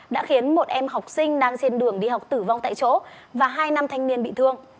đã khiến một em học sinh đang trên đường đi học tử vong tại chỗ và hai nam thanh niên bị thương